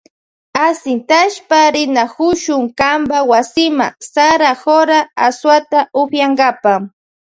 Ashintashpa rinakushun kanpa wasima sara jora asuwata upiyankapa.